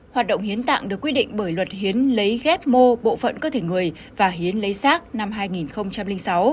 hoạt động hiến tạng được quy định bởi luật hiến lấy ghép mô bộ phận cơ thể người và hiến lấy sát năm hai nghìn sáu